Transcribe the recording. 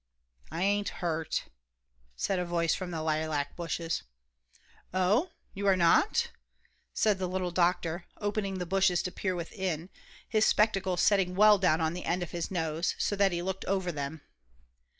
"I ain't hurt," said a voice from the lilac bushes. "Oh, you are not?" said the little doctor, opening the bushes to peer within, his spectacles setting well down on the end of his nose, so that he looked over them.